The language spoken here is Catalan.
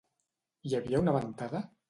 Hi havia una ventada?